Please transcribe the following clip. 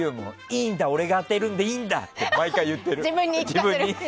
いいんだ、俺が当てるんでいいんだって毎回言ってる、自分に。